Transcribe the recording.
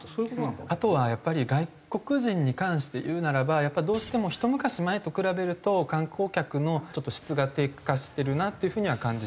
あとはやっぱり外国人に関して言うならばやっぱりどうしてもひと昔前と比べると観光客の質が低下してるなっていう風には感じてて。